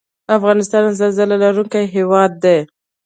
افغانستان زلزله لرونکی هیواد دی